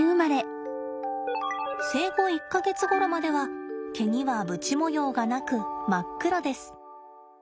生後１か月ごろまでは毛にはぶち模様がなく真っ黒です。